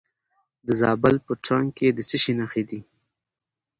د زابل په ترنک کې د څه شي نښې دي؟